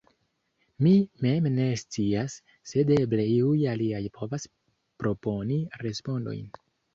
Mi mem ne scias, sed eble iuj aliaj povas proponi respondojn.